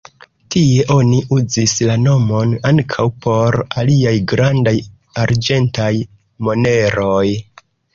Tie oni uzis la nomon ankaŭ por aliaj grandaj arĝentaj moneroj.